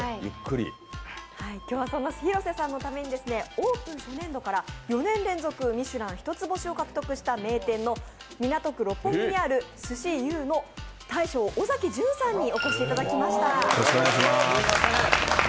今日はそんな広瀬さんのためにオープン初年度から４年連続ミシュランヒトツボシを獲得した名店、港区六本木にある鮨由うの大将尾崎淳さんにお越しいただきました。